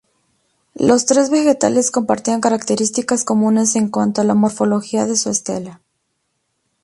Los tres vegetales compartían características comunes en cuanto a la morfología de su estela.